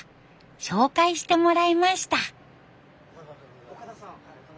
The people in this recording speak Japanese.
紹介してもらいました。